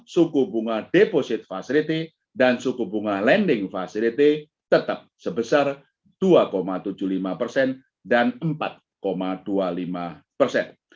suku bunga deposit facility dan suku bunga lending facility tetap sebesar dua tujuh puluh lima persen dan empat dua puluh lima persen